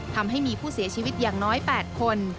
ทำให้มีผู้เสียชีวิตอย่างน้อย๘คน